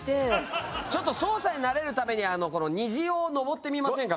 ちょっと操作に慣れるためにこの虹を登ってみませんか？